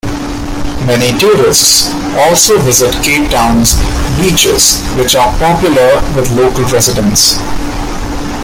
Many tourists also visit Cape Town's beaches, which are popular with local residents.